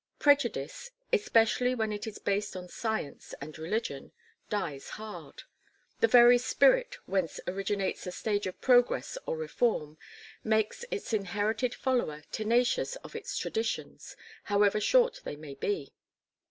Prejudice especially when it is based on science and religion dies hard: the very spirit whence originates a stage of progress or reform, makes its inherited follower tenacious of its traditions however short they may be.